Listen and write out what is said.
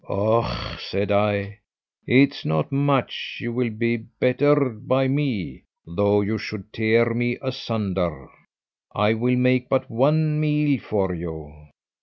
'Och!' said I, 'it's not much you will be bettered by me, though you should tear me asunder; I will make but one meal for you.